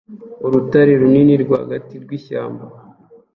Urutare runini rwagati rwishyamba